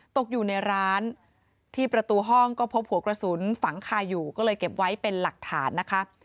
ตกอยู่ในร้านที่ประตูห้องก็พบหัวกระสุนฝังคาอยู่ก็เลยเก็บไว้เป็นหลักฐานนะคะ